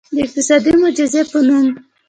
د اقتصادي معجزې په نوم.